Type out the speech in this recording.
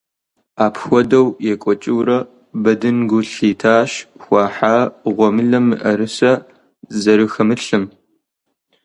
Апхуэдэу екӀуэкӀыурэ, Бэдын гу лъитащ хуахьа гъуэмылэм мыӀэрысэ зэрыхэмылъым.